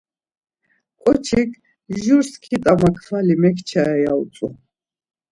Ǩoçis, jur skit̆a makvali mekçare ya utzu.